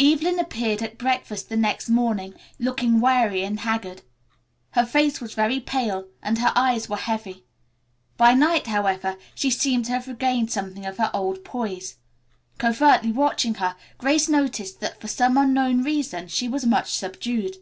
Evelyn appeared at breakfast the next morning looking weary and haggard. Her face was very pale and her eyes were heavy. By night, however, she seemed to have regained something of her old poise. Covertly watching her, Grace noticed that for some unknown reason she was much subdued.